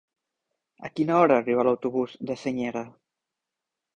A quina hora arriba l'autobús de Senyera?